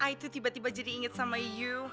i tuh tiba tiba jadi inget sama iyu